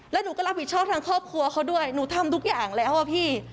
แล้วหนูก็รับผิดชอบทางครอบครัวเขาด้วยหนูทำทุกอย่างแล้วอะพี่